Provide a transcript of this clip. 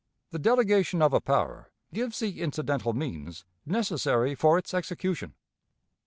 The delegation of a power gives the incidental means necessary for its execution.